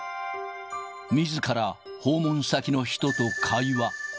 みずから訪問先の人と会話。